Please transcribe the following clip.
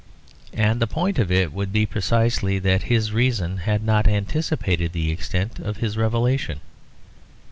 And the point of it would be precisely that his reason had not anticipated the extent of his revelation.